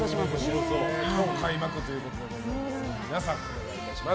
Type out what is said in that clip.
開幕ということでございます。